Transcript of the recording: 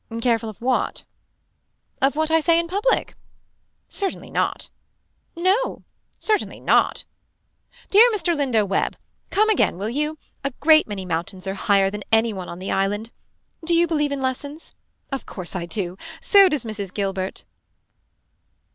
Careful of what. Of what I say in public. Certainly not. No. Certainly not. Dear Mr. Lindo Webb. Come again will you. A great many mountains are higher than any on the island. Do you believe in lessons. Of course I do. So does Mrs. Gilbert.